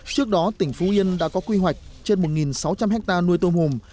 trước đó tỉnh phú yên đã có quy hoạch trên một sáu trăm linh hectare nuôi tôm hùm